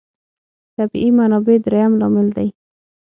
طبیعي منابع درېیم لامل دی.